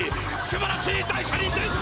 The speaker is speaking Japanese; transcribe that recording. すばらしい大車輪です！